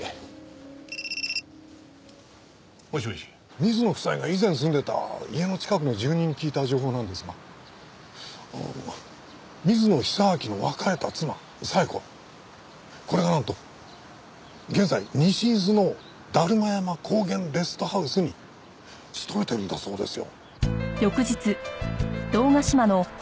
水野夫妻が以前住んでた家の近くの住人に聞いた情報なんですが水野久明の別れた妻冴子これがなんと現在西伊豆のだるま山高原レストハウスに勤めてるんだそうですよ。